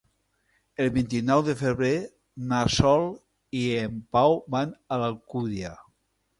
El vint-i-nou de febrer na Sol i en Pau van a l'Alcúdia.